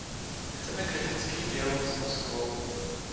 Chceme kritický dialog s Moskvou.